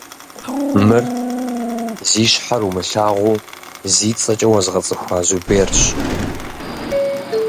Мыр зи щхьэр умылъагъуу зи цӏэкӏэ уэзгъэцӏыхуа Зуберщ.